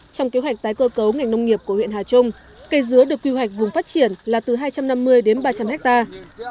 trong kế hoạch tái cơ cấu ngành nông nghiệp của huyện hà trung cây dứa được quy hoạch vùng phát triển là từ hai trăm năm mươi đến ba trăm linh hectare